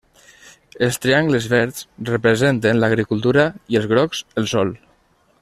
Els triangles verds representen l'agricultura i els grocs, el sol.